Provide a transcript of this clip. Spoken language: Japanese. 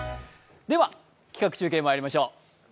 では企画中継まいりましょう。